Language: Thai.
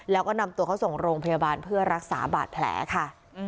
แล้วก็นำตัวเขาส่งโรงพยาบาลเพื่อรักษาบาดแผลค่ะ